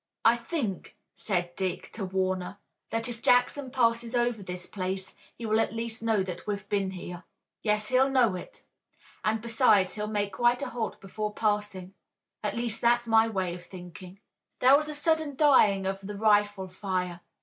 "I think," said Dick to Warner, "that if Jackson passes over this place he will at least know that we've been here." "Yes, he'll know it, and besides he'll make quite a halt before passing. At least, that's my way of thinking." There was a sudden dying of the rifle fire.